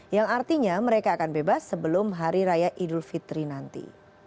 yang artinya mereka akan bebas sebelum hari raya idul fitri nanti